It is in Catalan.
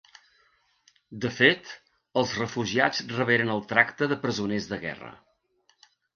De fet els refugiats reberen el tracte de presoners de guerra.